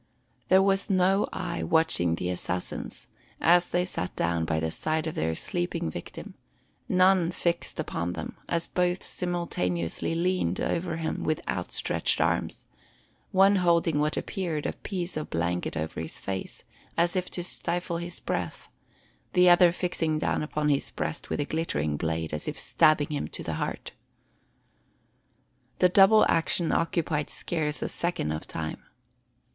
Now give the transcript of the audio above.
There was no eye watching the assassins, as they sat down by the side of their sleeping victim; none fixed upon them as both simultaneously leant over him with outstretched arms, one holding what appeared a piece of blanket over his face, as if to stifle his breath, the other striking down upon his breast with a glittering blade, as if stabbing him to the heart. The double action occupied scarce a second of time.